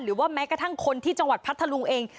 หรือว่าแม้กระทั่งคนที่จังหวัดพัทธลุงเอง